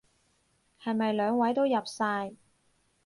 係咪兩位都入晒？